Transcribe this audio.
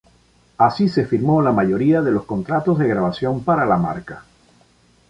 Ahí se firmó la mayoría de los contratos de grabación para la marca.